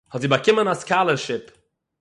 האָט זי באַקומען אַ סקאַלערשיפּ